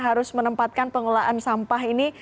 harus menempatkan pengelolaan sampah ini